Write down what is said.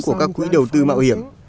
của các quỹ đầu tư mạo hiểm